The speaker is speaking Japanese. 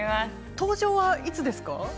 登場はいつですか。